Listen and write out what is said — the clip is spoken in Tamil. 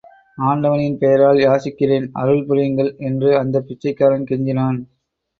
ஆண்டவனின் பெயரால் யாசிக்கிறேன், அருள் புரியுங்கள்! என்று அந்தப் பிச்சைக்காரன் கெஞ்சினான்!